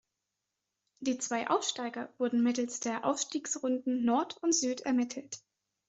Die zwei Aufsteiger wurden mittels der Aufstiegsrunden Nord und Süd ermittelt.